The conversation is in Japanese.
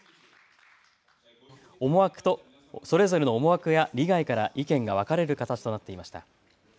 それぞれの思惑や利害から意見が分かれる形となっていました。